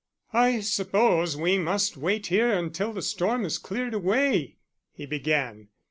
"I suppose we must wait here until the storm has cleared away," he began.